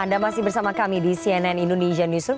anda masih bersama kami di cnn indonesia newsroom